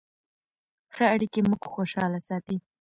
ښه اړیکې موږ خوشحاله ساتي.